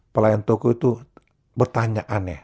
pelayan toko itu bertanya aneh